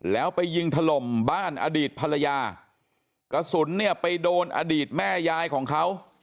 แล้วไปยิงถล่มบ้านอดีตภรรยากระสุนเนี่ยไปโดนอดีตแม่ยายของเขา